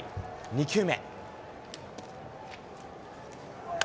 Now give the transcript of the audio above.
２球目。